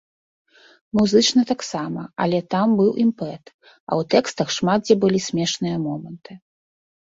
Музычна таксама, але там быў імпэт, а ў тэкстах шмат дзе былі смешныя моманты.